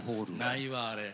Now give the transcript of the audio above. ないわあれ。